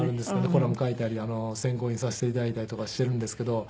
コラム書いたり選考員させて頂いたりとかしているんですけど。